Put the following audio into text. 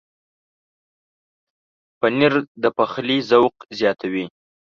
پنېر د پخلي ذوق زیاتوي.